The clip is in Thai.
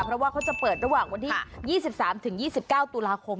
เพราะว่าเขาจะเปิดระหว่างวันที่๒๓๒๙ตุลาคม